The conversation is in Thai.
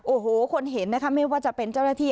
โอ้โหคนเห็นนะคะไม่ว่าจะเป็นเจ้าหน้าที่